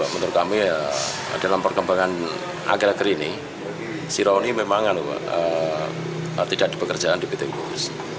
menurut kami dalam perkembangan akhir akhir ini syahroni memang tidak dipekerjakan di pt bukus